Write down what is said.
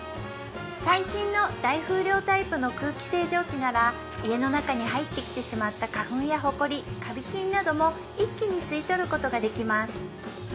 最新の大風量タイプの空気清浄機なら家の中に入ってきてしまった花粉やほこりカビ菌なども一気に吸い取ることができます